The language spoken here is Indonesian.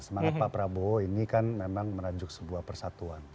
semangat pak prabowo ini kan memang merajuk sebuah persatuan